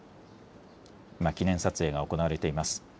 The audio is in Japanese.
今、記念撮影が行われています。